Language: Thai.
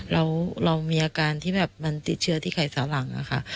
เรามีอาการที่แบบมันติดเชื้อที่ไขฝาหลังอะค่ะ